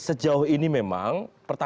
sejauh ini memang